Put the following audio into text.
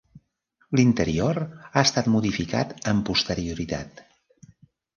L'interior ha estat modificat amb posterioritat.